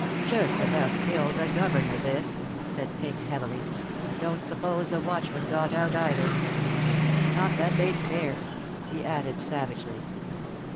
"Just about kill the governor, this," said Pink, heavily. "Don't suppose the watchmen got out, either. Not that they'd care," he added, savagely.